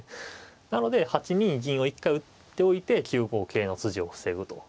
なので８二銀を一回打っておいて９五桂の筋を防ぐと。